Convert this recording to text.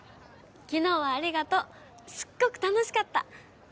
昨日はありがとうすっごく楽しかった！